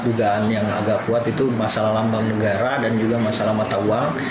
dugaan yang agak kuat itu masalah lambang negara dan juga masalah mata uang